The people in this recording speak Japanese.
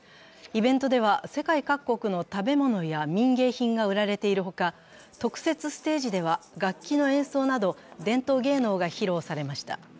イベントでは世界各国の食べ物や民芸品が売られているほか特設ステージでは楽器の演奏など伝統芸能が披露されました。